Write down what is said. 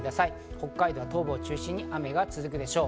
北海道東部を中心に雨が続くでしょう。